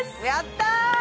やった！